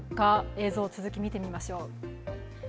映像続き見てみましょう。